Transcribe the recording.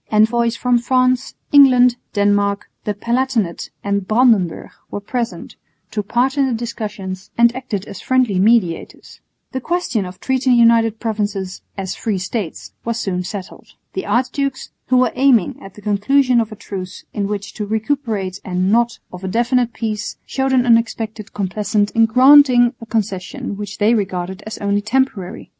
Envoys from France, England, Denmark, the Palatinate and Brandenburg were present, took part in the discussions, and acted as friendly mediators. The question of treating the United Provinces "as free States" was soon settled. The archdukes, who were aiming at the conclusion of a truce in which to recuperate and not of a definitive peace, showed an unexpected complaisance in granting a concession which they regarded as only temporary.